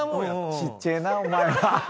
ちっちぇえなお前は。